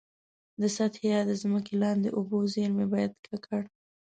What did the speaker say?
د سطحي یا د ځمکي لاندي اوبو زیرمي باید ککړ.